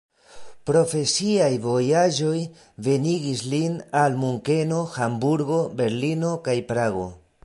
Profesiaj vojaĝoj venigis lin al Munkeno, Hamburgo, Berlino kaj Prago.